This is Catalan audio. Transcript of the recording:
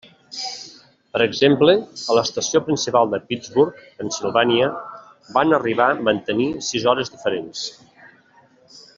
Per exemple, a l'estació principal de Pittsburgh, Pennsilvània, van arribar mantenir sis hores diferents.